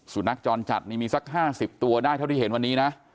สุนัขจรจัดนี่มีสัก๕๐ตัวได้เท่าที่เห็นวันนี้นะ